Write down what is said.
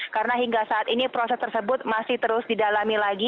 karena hingga saat ini proses tersebut masih terdapat